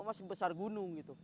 masih besar gunung gitu